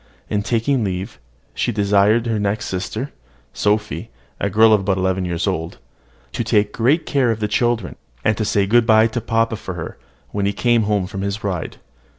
In taking leave, she desired her next sister, Sophy, a girl about eleven years old, to take great care of the children, and to say good bye to papa for her when he came home from his ride.